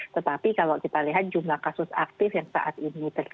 tetapi kalau kita lihat jumlah kasus aktif yang saat ini